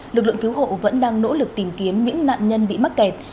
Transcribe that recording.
lực lượng cứu hộ vẫn đang nỗ lực tìm kiếm những nạn nhân bị mắc kẹt